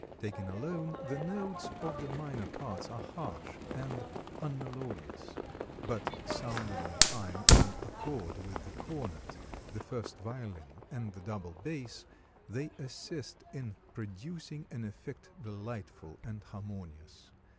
Taken alone, the notes of the minor parts are harsh and unmelodious, but sounded in time and accord with the cornet, the first violin, and the double bass, they assist in producing an effect delightful and harmonious.